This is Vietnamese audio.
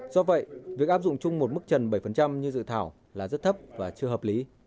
do vậy việc áp dụng chung một mức trần bảy như dự thảo là rất thấp và chưa hợp lý